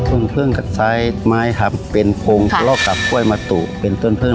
ต้นพึ่งกับชายไม้ทำเป็นพงรอบกับกล้วยมะตุเป็นต้นพึ่ง